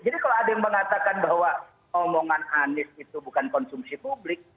jadi kalau ada yang mengatakan bahwa omongan anies itu bukan konsumsi publik